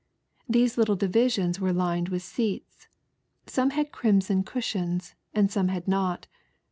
These little divisions wei'e lined with seats, some had crimson cushions, and some had not.